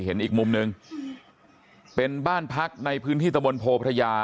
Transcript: อีกมุมหนึ่งเป็นบ้านพักในพื้นที่ตะบนโพพระยา